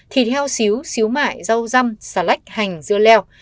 thịt heo xíu xíu mại rau răm xà lách hành dưa leo